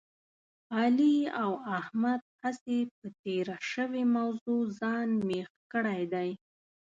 علي او احمد هسې په تېره شوې موضوع ځان مېخ کړی دی.